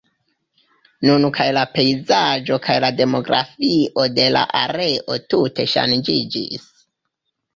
Nun kaj la pejzaĝo kaj la demografio de la areo tute ŝanĝiĝis.